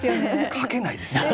書けないですよね。